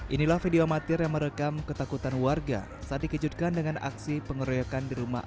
inilah video amatir yang merekam ketakutan warga saat dikejutkan dengan aksi pengeroyokan di rumah